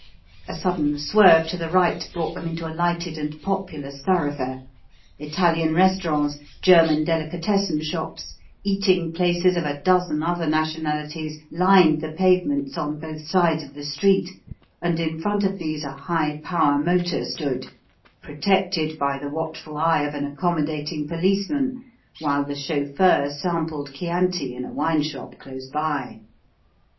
A sudden swerve to the right brought them into a lighted and populous thoroughfare. Italian restaurants, German delicatessen shops, eating places of a dozen other nationalities lined the pavements on both sides of the street, and, in front of these a high power motor stood, protected by the watchful eye of an accommodating policeman while the chauffeur sampled Chianti in a wine shop close by.